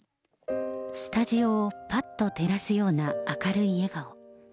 スタジオをぱっと照らすような明るい笑顔。